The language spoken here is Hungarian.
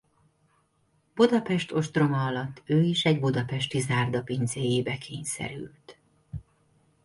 Budapest ostroma alatt ő is egy budapesti zárda pincéjébe kényszerült.